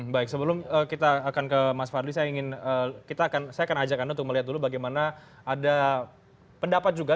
baik sebelum kita akan ke mas fadli saya ingin saya akan ajak anda untuk melihat dulu bagaimana ada pendapat juga